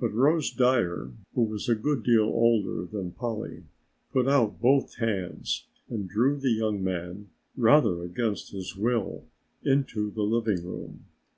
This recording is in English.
But Rose Dyer, who was a good deal older than Polly, put out both hands and drew the young man, rather against his will, inside the living room.